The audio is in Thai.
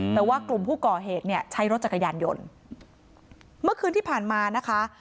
แต่ว่ากลุ่มผู้ก่อเหตุเนี่ยใช้รถจักรยานยนต์เมื่อคืนที่ผ่านมานะคะ